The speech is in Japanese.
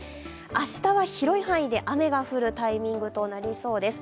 明日は広い範囲で雨が降るタイミングとなりそうです。